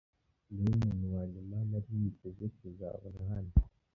Niwe muntu wa nyuma nari niteze kuzabona hano.